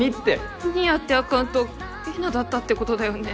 「ｎｅａｒ」ってアカウントえなだったってことだよね？